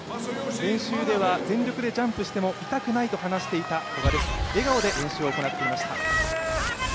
練習では全力でジャンプしても痛くないと、笑顔で練習を行っていました。